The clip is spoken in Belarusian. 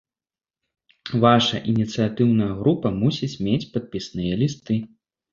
Ваша ініцыятыўная група мусіць мець падпісныя лісты.